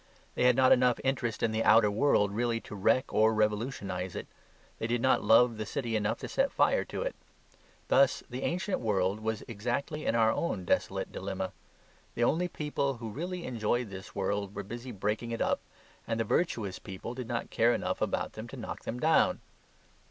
They had not enough interest in the outer world really to wreck or revolutionise it. They did not love the city enough to set fire to it. Thus the ancient world was exactly in our own desolate dilemma. The only people who really enjoyed this world were busy breaking it up; and the virtuous people did not care enough about them to knock them down.